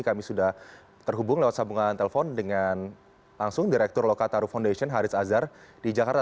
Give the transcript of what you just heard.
kami sudah terhubung lewat sambungan telepon dengan langsung direktur lokataru foundation haris azhar di jakarta